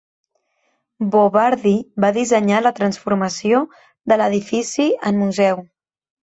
Bo Bardi va dissenyar la transformació de l'edifici en museu.